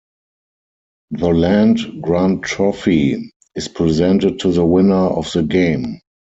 The Land Grant Trophy is presented to the winner of the game.